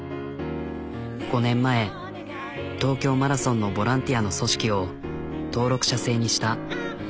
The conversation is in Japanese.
５年前東京マラソンのボランティアの組織を登録者制にした。